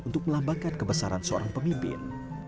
untuk melambangkan kebesaran seorang pemimpin